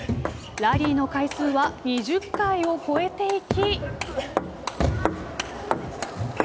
ラリーの回数は２０回を超えていき。